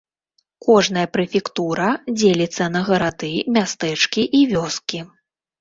Кожная прэфектура дзеліцца на гарады, мястэчкі і вёскі.